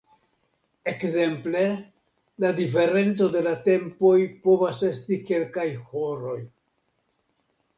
Ekzemple la diferenco de la tempoj povas esti kelkaj horoj.